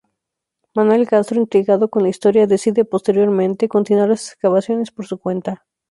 Manuel Castro intrigado con la historia decide posteriormente continuar las excavaciones por su cuenta.